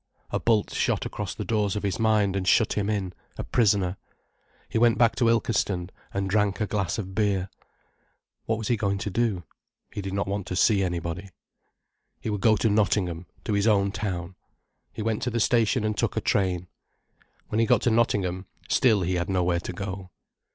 A bolt shot across the doors of his mind and shut him in, a prisoner. He went back to Ilkeston, and drank a glass of beer. What was he going to do? He did not want to see anybody. He would go to Nottingham, to his own town. He went to the station and took a train. When he got to Nottingham, still he had nowhere to go.